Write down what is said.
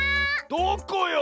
どこよ⁉